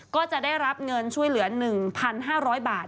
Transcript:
ก็จะได้รับเงินช่วยเหลือ๑๕๐๐บาท